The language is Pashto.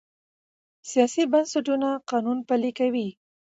سیاسي بنسټونه قانون پلي کوي